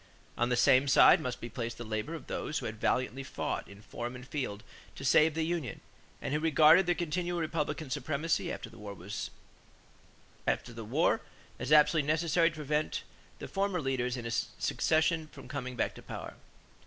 On the same side must be placed the labor of those who had valiantly fought in forum and field to save the union and who regarded continued Republican supremacy after the war as absolutely necessary to prevent the former leaders in secession from coming back to power.